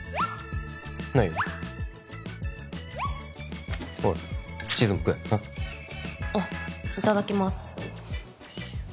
ないよほらチーズも食えなっあっいただきます